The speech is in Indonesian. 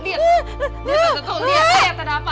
lihat lihat lihat lihat ada apa